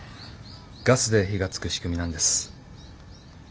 ガスで火がつく仕組みなんです。